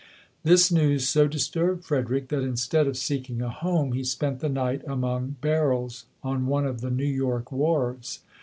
This news so disturbed Frederick, that instead of seeking a home, he spent the night among bar rels on one of the New York wharves.